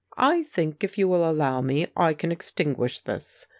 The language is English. I think, if you will allow me, I can extinguish this.'